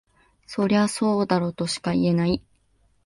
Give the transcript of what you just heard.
そりゃそうだろとしか言えない